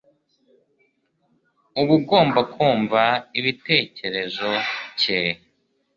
uba ugomba kumva ibitekerezo cye